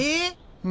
うん。